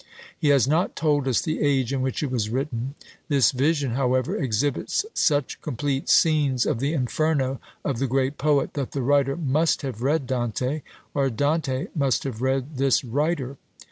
He has not told us the age in which it was written. This vision, however, exhibits such complete scenes of the Inferno of the great poet, that the writer must have read Dante, or Dante must have read this writer.